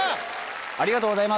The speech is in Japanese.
ありがとうございます。